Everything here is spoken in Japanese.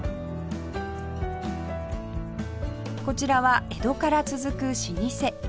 こちらは江戸から続く老舗